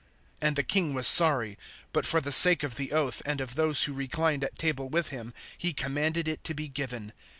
(9)And the king was sorry; but for the sake of the oath, and of those who reclined at table with him, he commanded it to be given.